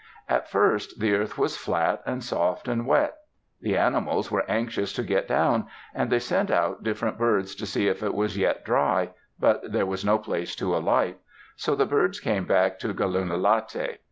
At first the earth was flat and soft and wet. The animals were anxious to get down, and they sent out different birds to see if it was yet dry, but there was no place to alight; so the birds came back to Galun'lati.